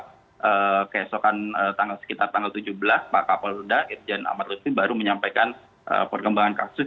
kemudian keesokan tanggal sekitar tanggal tujuh belas pak kapoluda dan amat lestri baru menyampaikan perkembangan kasus